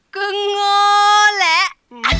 ก็โง่แหละ